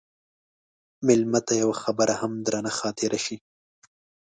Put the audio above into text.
مېلمه ته یوه خبره هم درنه خاطره شي.